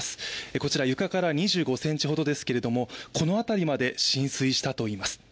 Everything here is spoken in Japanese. こちら床から２５ｃｍほどですけれどもこの辺りまで浸水したといいます。